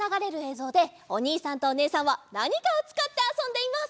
ぞうでおにいさんとおねえさんはなにかをつかってあそんでいます。